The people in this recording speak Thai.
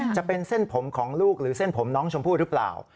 จะเป็นเส้นผมของลูกหรือเส้นผมน้องชมพู่หรือเปล่า